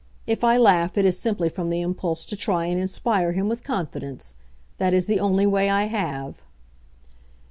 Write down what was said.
If I laugh it is simply from the impulse to try and inspire him with confidence. That is the only way I have."